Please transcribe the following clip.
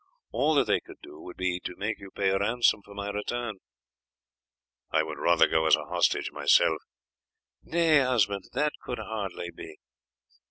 All that they could do would be to make you pay ransom for my return." "I would rather go as a hostage myself." "Nay, husband, that could hardly be.